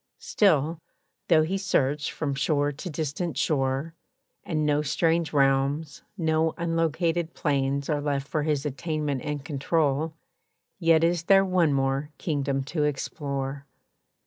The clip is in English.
Still, though he search from shore to distant shore, And no strange realms, no unlocated plains Are left for his attainment and control, Yet is there one more kingdom to explore.